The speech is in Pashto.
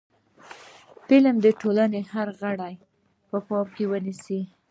فلم باید د ټولنې هر غړی په پام کې ونیسي